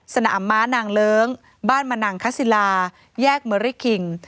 สนามม้านางเลิ้งบ้านมนังคศิลาแยกเมอรี่คิง